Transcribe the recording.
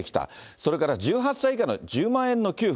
それから１８歳以下の１０万円の給付。